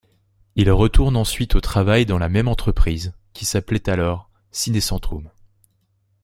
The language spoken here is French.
Il retourne ensuite au travail dans la même entreprise, qui s'appelait alors Cinecentrum.